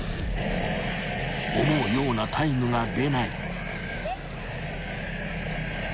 ［思うようなタイムが出ない］